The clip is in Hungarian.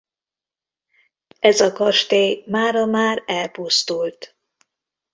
Ez a kastély mára már elpusztult.